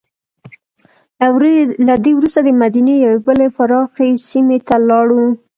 له دې وروسته دمدینې یوې بلې پراخې سیمې ته لاړو.